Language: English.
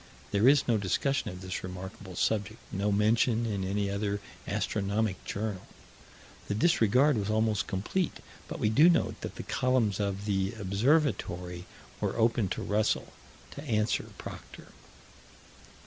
There is no discussion of this remarkable subject, no mention in any other astronomic journal. The disregard was almost complete but we do note that the columns of the Observatory were open to Russell to answer Proctor.